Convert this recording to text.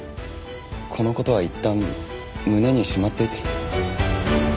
この事はいったん胸にしまっておいて。